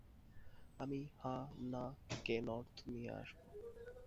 আমি হা-না কে নর্থ নিয়ে আসব।